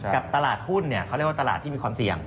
กับตลาดหุ้นเขาเรียกว่าตลาดที่มีความเสี่ยง